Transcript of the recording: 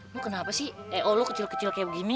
lu kenapa sih eo lo kecil kecil kayak begini